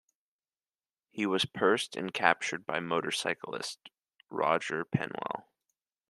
He was pursued and captured by motorcyclist Roger Penwell.